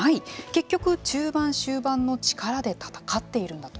結局、中盤、終盤の力で戦っているんだと。